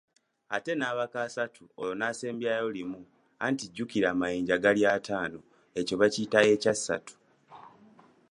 Ate n’abaka asatu olwo n’asembyayo limu anti jjukira amanyinja gali ataanu. ekyo bakiyita ekyasatu.